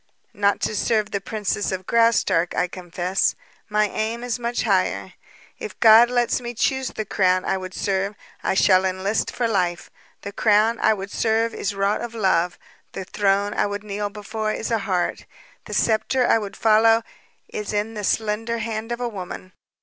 "Not to serve the princess of Graustark, I confess. My aim is much higher. If God lets me choose the crown I would serve, I shall enlist for life. The crown I would serve is wrought of love, the throne I would kneel before is a heart, the sceptre I would follow is in the slender hand of a woman.